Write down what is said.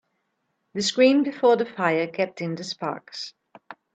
The screen before the fire kept in the sparks.